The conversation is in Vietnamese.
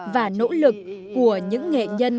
và nỗ lực của những nghệ nhân